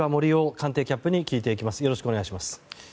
官邸キャップに聞いていきます。